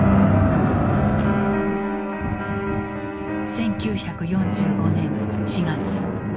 １９４５年４月。